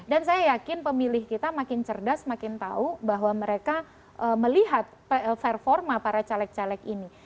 dan saya yakin pemilih kita makin cerdas makin tahu bahwa mereka melihat performa para caleg caleg ini